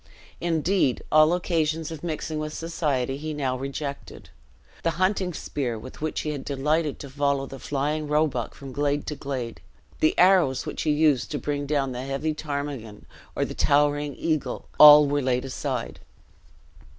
Indeed, all occasions of mixing with society he now rejected. The hunting spear with which he had delighted to follow the flying roebuck from glade to glade, the arrows with which he used to bring down the heavy ptarmigan or the towering eagle, all were laid aside.